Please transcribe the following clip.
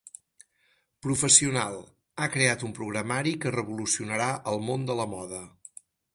Professional, ha creat un programari que revolucionarà el món de la moda.